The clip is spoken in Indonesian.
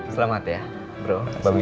selamat ya bro